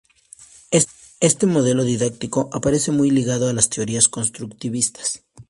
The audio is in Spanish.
Este modelo didáctico aparece muy ligado a las teorías constructivistas.